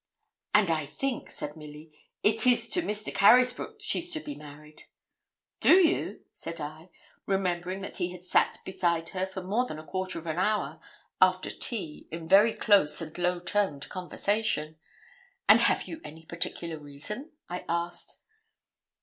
'And I think,' said Milly, 'it is to Mr. Carysbroke she's to be married.' 'Do you?' said I, remembering that he had sat beside her for more than a quarter of an hour after tea in very close and low toned conversation; 'and have you any particular reason?' I asked.